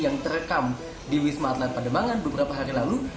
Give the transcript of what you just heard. yang terekam di wisma atlet pademangan beberapa hari lalu